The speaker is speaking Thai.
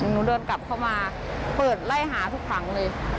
หนูเดินกลับเข้ามาเปิดไล่หาทุกครั้งเลย